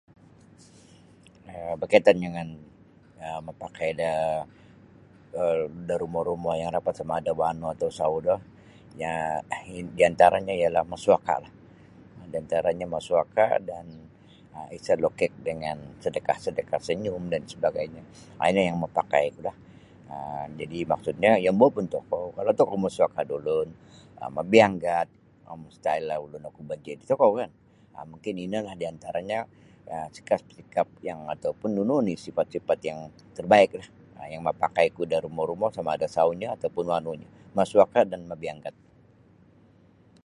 um berkaitan dengan mapakai da um rumo-rumo yang rapat sama ada wanu atau sawu do um diantaranyo masuaka'lah diantaranyo masuaka' dan isa lokek dengan sedekah-sedekah senyum dan sebagainya um ino yang mapakaikulah um jadi maksudnyo yombo pun tokou kalau masuaka' da ulun um mabianggat um mustahil ogu ulun benci da tokou kan mungkin inolah sikap-sikap yang nunu oni sifat-sifat yang terbaik lah yang mapakaiku da rumo-rumo sama ada da wanunyo atau sawunyo masuaka' dan mabianggat.